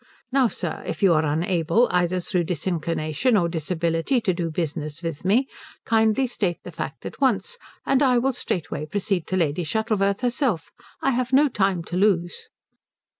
Now, sir, if you are unable, either through disinclination or disability, to do business with me, kindly state the fact at once, and I will straightway proceed to Lady Shuttleworth herself. I have no time to lose."